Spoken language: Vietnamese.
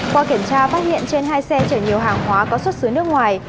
qua kiểm tra phát hiện trên hai xe chở nhiều hàng hóa có xuất xứ nước ngoài